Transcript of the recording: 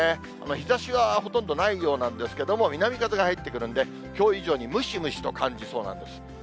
日ざしはほとんどないようなんですけれども、南風が入ってくるんで、きょう以上にムシムシと感じそうなんです。